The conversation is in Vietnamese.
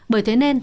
bởi thế nên